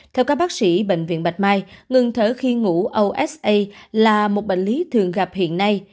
theo các bác sĩ bệnh viện bạch mai ngừng thở khi ngủ osa là một bệnh lý thường gặp hiện nay